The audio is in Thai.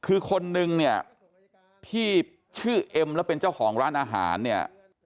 คือคนนึงเนี่ยที่ชื่อเอ็มแล้วเป็นเจ้าของร้านอาหารเนี่ย